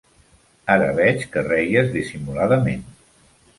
Ara veig que reies dissimuladament.